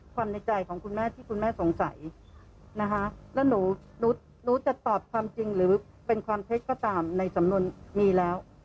ในใจของคุณแม่ที่คุณแม่สงสัยนะคะแล้วหนูรู้จะตอบความจริงหรือเป็นความเท็จก็ตามในสำนวนมีแล้ว